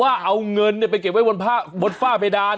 ว่าเอาเงินไปเก็บไว้บนฝ้าเพดาน